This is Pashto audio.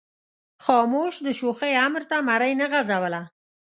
خاموش د شوخۍ امر ته مرۍ نه غځوله.